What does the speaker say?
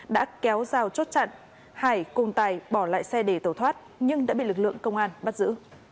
đã kéo rào chốt chặn hải cùng tài bỏ lại xe để tẩu thoát nhưng đã bị lực lượng công an bắt giữ